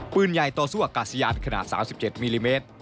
ปืนใหญ่ต่อสู้อากาศยานขนาด๓๗มิลลิเมตร